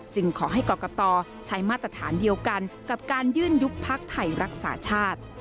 ขอให้กรกตใช้มาตรฐานเดียวกันกับการยื่นยุบพักไทยรักษาชาติ